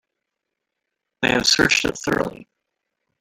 They have searched it thoroughly.